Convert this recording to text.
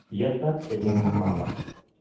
Я так сябе назвала.